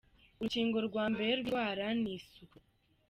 "Urukingo rwa mbere rw’indwara ni isuku.